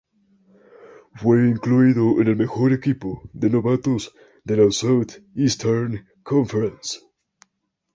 Fue incluido en el mejor equipo de novatos de la Southeastern Conference.